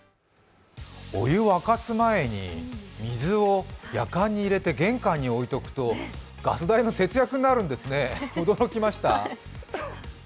お湯沸かす前に水をやかんに入れて玄関に置いておくと、ガス代の節約になるんですね驚きました。